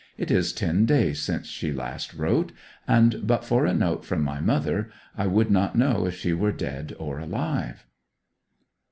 It is ten days since she last wrote, and but for a note from my mother I should not know if she were dead or alive.